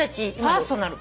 パーソナル。